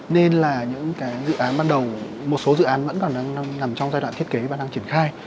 nên là những dự án ban đầu một số dự án vẫn còn đang nằm trong giai đoạn thiết kế và đang triển khai